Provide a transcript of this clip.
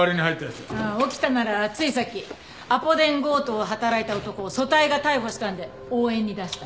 ああ沖田ならついさっきアポ電強盗を働いた男を組対が逮捕したんで応援に出した。